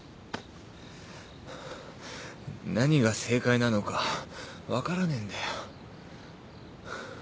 何が正解なのか分からねえんだよ。